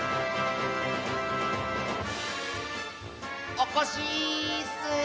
おこしっす！